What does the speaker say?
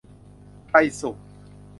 ใครสุ่ม